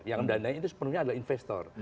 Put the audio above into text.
yang benar benar itu sepenuhnya adalah investor